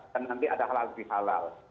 dan nanti ada halal dihalal